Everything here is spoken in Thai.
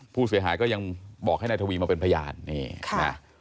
ผู้เสียหายก็ยังบอกให้นายทวีมาเป็นพยานนี่ค่ะ